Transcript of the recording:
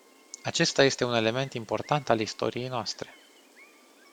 Acesta este un element important al istoriei noastre.